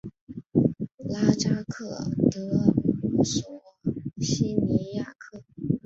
拉扎克德索西尼亚克。